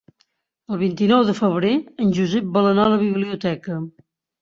El vint-i-nou de febrer en Josep vol anar a la biblioteca.